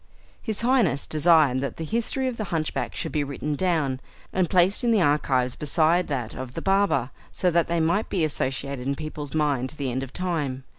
His Highness desired that the history of the hunchback should be written down, and placed in the archives beside that of the barber, so that they might be associated in people's minds to the end of time.